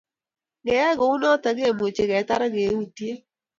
Ngeyai kounoto kemuchi ketar akkeutye